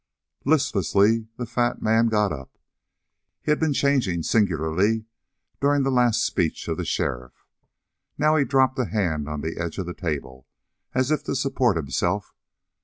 Listlessly the fat man got up. He had been changing singularly during the last speech of the sheriff. Now he dropped a hand on the edge of the table, as if to support himself.